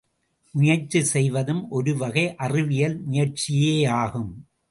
முயற்சி செய்வதும் ஒருவகை அறிவியல் முயற்சியேயாகும்.